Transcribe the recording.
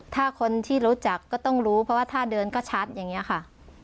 ถ้าคนที่รู้จักก็ต้องรู้เพราะว่าท่าเดินก็ชัดอย่างนี้ค่ะ